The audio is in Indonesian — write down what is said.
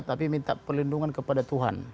tapi minta perlindungan kepada tuhan